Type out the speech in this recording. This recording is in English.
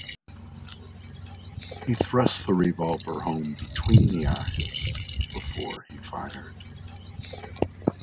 He thrust the revolver home between the eyes before he fired.